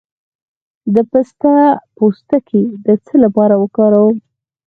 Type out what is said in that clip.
د پسته پوستکی د څه لپاره وکاروم؟